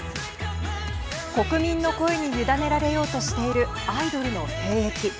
国民の声に委ねられようとしているアイドルの兵役。